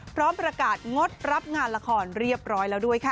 พร้อมประกาศงดรับงานละครเรียบร้อยแล้วด้วยค่ะ